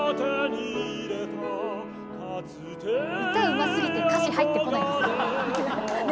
歌うますぎて歌詞入ってこないです。ね？